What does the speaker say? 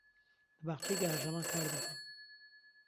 لە باخچەیەکی ئاژەڵان کار دەکەم.